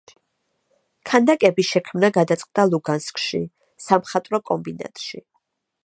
ქანდაკების შექმნა გადაწყდა ლუგანსკში, სამხატვრო კომბინატში.